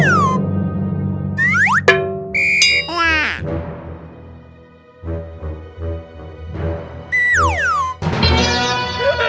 pasti pada di sini